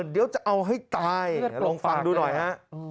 เดี๋ยวจะเอาให้ตายลองฟังดูหน่อยฮะ